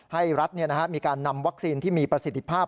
ให้รัฐมีการนำวัคซีนที่มีประสิทธิภาพ